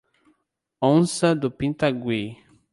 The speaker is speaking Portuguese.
Onça de Pitangui